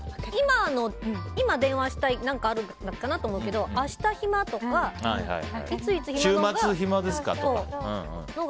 今、電話したり何かあるのかなと思うけど週末暇ですかとか。